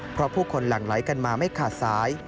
เพราะผู้คนหลั่งไหลกันมาไม่ขาดสาย